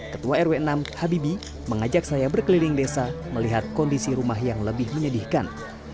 ketua rw enam habibi mengajak saya berkeliling desa melihat kondisi rumah yang lebih menyedihkan